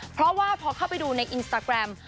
เพราะว่าพอเข้าไปดูในอินสตาแกรม